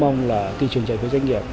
mong là thị trường trái phiếu doanh nghiệp